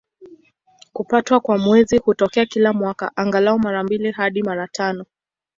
Kupatwa kwa Mwezi hutokea kila mwaka, angalau mara mbili hadi mara tano.